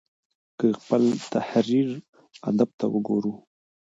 که خپل تحريري ادب ته وګورو